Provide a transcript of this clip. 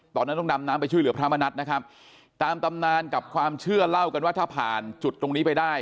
ตอนนั้นต้องดำน้ำไปช่วยเหลือพระมณัฐนะครับตามตำนานกับความเชื่อเล่ากันว่าถ้าผ่านจุดตรงนี้ไปได้